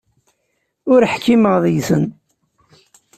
Ur ḥkimeɣ deg-sen.